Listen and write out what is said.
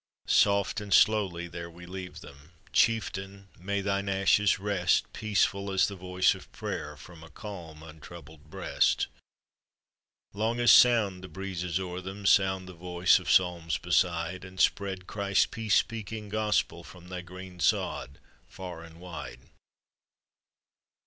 Soft and slowly there we leave them — Chieftain ! may thine ashes rest, Peaceful as the voice of prayer From a calm, untroubled breast 1 Long as sound the breezes o'er them, Sound the voice of psalms beside; And spread Christ's peace speaking gospel From thy green sod far and wide